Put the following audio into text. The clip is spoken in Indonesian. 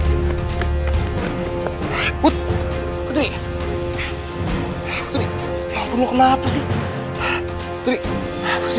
masuk masuk si putri put putri setiap orang kenapa sih road